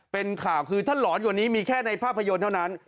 เป็นข่าวคือถ้าหลอนกว่านี้มีแค่ในภาพยนตร์เท่านั้น